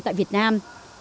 tại việt nam